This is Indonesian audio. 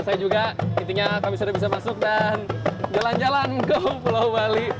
saya juga intinya kami sudah bisa masuk dan jalan jalan ke pulau bali